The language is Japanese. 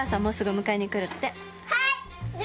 はい！